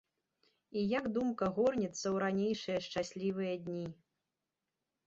І як думка горнецца ў ранейшыя шчаслівыя дні.